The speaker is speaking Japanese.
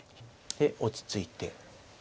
で落ち着いて。